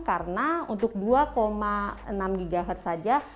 karena untuk dua enam ghz saja